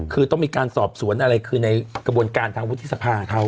คือต้องมีการสอบสวนอะไรคือในกระบวนการทางวุฒิสภาเขา